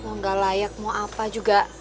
mau gak layak mau apa juga